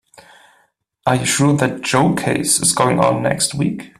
Are you sure that Joe case is going on next week?